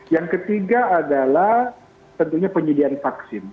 yang ketiga adalah tentunya penyediaan vaksin